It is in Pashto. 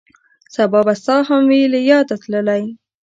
سبا به ستا هم وي له یاده تللی